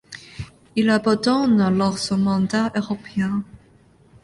Il abandonne alors son mandat européen.